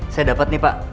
saya dapet nih pak